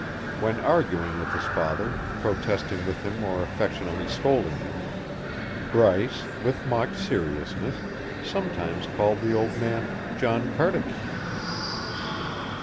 When arguing with his father, protesting with him or affectionately scolding him, Bryce, with mock seriousness, sometimes called the old man John Cardigan.